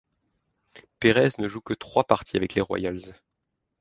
Pérez ne joue que trois parties avec les Royals.